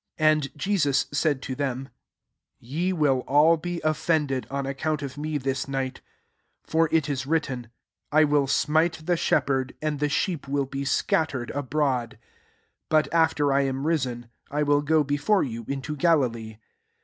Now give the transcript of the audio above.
2r And Jesus sidd to them, «Ye will all be offended fan a€€OMnt <if me thU night i\ lor it IB written, *I will smite the shepherd, and the sheep will be scattered abroad.' 28 But after I am risen, I will go be lore you into Galilee."